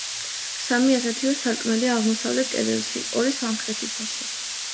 სამი ასეთივე სარკმელია აღმოსავლეთ კედელში, ორი სამხრეთისაში.